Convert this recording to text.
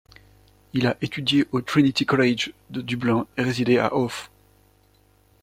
Il a étudié au Trinity College de Dublin et résidait à Howth.